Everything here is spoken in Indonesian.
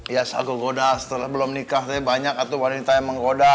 iya saya goda setelah belum nikah banyak wanita yang menggoda